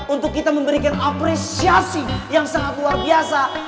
untuk kita memberikan apresiasi yang sangat luar biasa